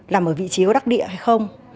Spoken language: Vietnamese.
làm ở vị trí có đắc địa hay không